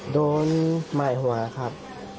โดนบ่ายหัวครับ